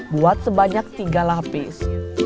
buat sebanyak tiga lapis